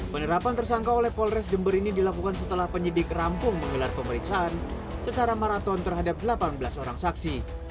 penerapan tersangka oleh polres jember ini dilakukan setelah penyidik rampung menggelar pemeriksaan secara maraton terhadap delapan belas orang saksi